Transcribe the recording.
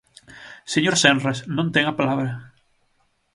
Señor Senras, non ten a palabra.